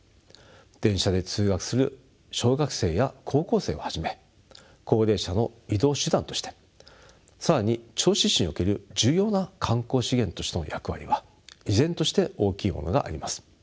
電車で通学する小学生や高校生をはじめ高齢者の移動手段として更に銚子市における重要な観光資源としての役割は依然として大きいものがあります。